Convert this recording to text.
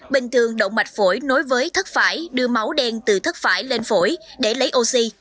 bình thường động mạch phổi nối với thất phải đưa máu đen từ thất phải lên phổi để lấy oxy